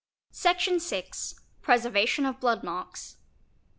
* Section vi.—Preservation of blood marks.